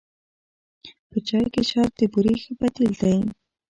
په چای کې شات د بوري ښه بدیل دی.